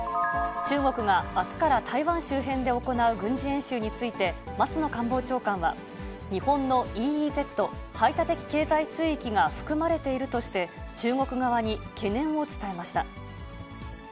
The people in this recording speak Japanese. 中国があすから台湾周辺で行う軍事演習について、松野官房長官は、日本のＥＥＺ・排他的経済水域が含まれているとして、中国側に懸念を伝えました。